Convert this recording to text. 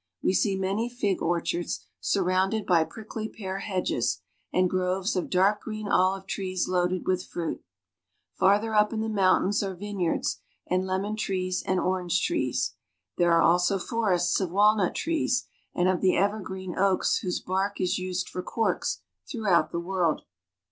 We see many fig orchards, surrounded by prickly pear hedges, and groves of dark green olive rees loaded with fruit. Farther up in the mountains are l^neyards, and lemon trees aud orange trees. There are I [ 22 AFRICA also forests of walnut trees and of the evergreen oaks whose bark is used for corks throughout the world.